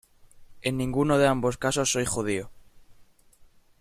En ninguno de ambos casos soy judío.